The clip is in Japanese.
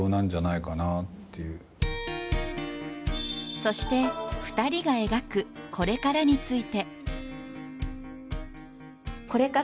そして、２人が描くこれからについて。